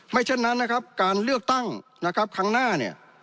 เช่นนั้นนะครับการเลือกตั้งนะครับครั้งหน้าเนี่ย